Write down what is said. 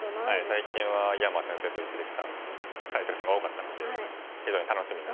最近は井山先生と一力さんのタイトル戦が多かったので非常に楽しみな。